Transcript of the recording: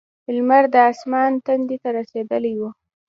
لمر د اسمان تندي ته رسېدلی و.